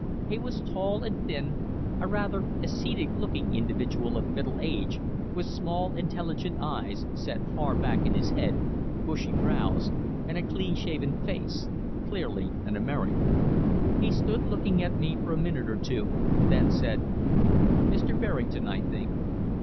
He was tall and thin, a rather ascetic looking individual of middle age, with small, intelligent eyes set far back in his head, bushy brows and a clean shaven face clearly an American. He stood looking at me for a moment or two, then said: "Mr. Berrington, I think."